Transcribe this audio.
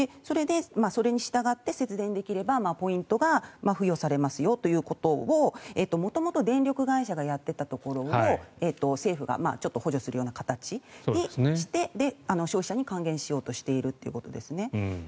それに従って節電ができるとポイントが付与されますということを元々電力会社がやっていたところを政府が補助するような形にして消費者に還元しようとしているということですね。